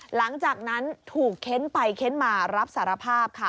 หลังจากนั้นถูกเค้นไปเค้นมารับสารภาพค่ะ